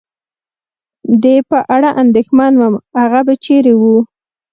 د په اړه اندېښمن ووم، هغه به چېرې و؟